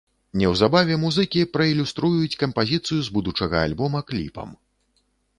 Неўзабаве музыкі праілюструюць кампазіцыю з будучага альбома кліпам.